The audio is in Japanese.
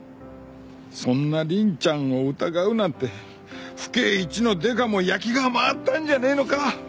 そんな凛ちゃんを疑うなんて府警一のデカも焼きが回ったんじゃねえのか？